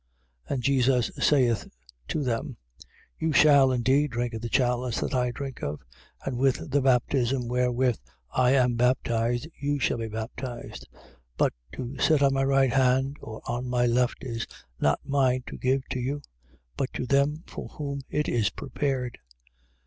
And Jesus saith to them: You shall indeed drink of the chalice that I drink of; and with the baptism wherewith I am baptized you shall be baptized. 10:40. But to sit on my right hand or on my left is not mine to give to you, but to them for whom it is prepared.